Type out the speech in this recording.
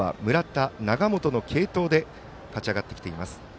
そのあとは村田、永本の継投で勝ち上がってきています。